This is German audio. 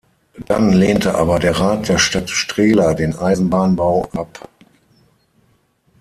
Dann lehnte aber der Rat der Stadt Strehla den Eisenbahnbau ab.